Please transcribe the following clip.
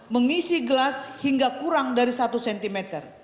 mengisi gelas hingga kurang dari satu cm